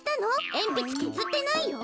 えんぴつけずってないよ。